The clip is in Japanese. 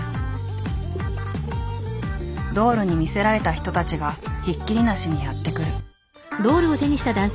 ドールに魅せられた人たちがひっきりなしにやって来る。